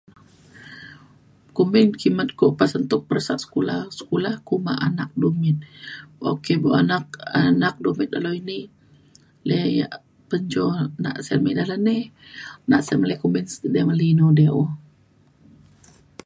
kumbin kimet ko pasen tuk peresa sekula sekula kuma anak dumit. ok buk anak anak dumit dalau ini le yak penjo nak sek me ida dalau ni nak semele kumbin s- inu. [unintelligible]